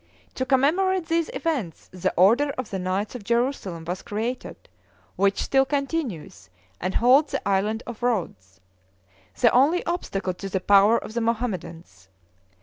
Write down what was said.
To commemorate these events the order of the Knights of Jerusalem was created, which still continues, and holds the island of Rhodes the only obstacle to the power of the Mohammedans.